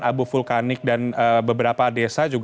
abu vulkanik dan beberapa desa juga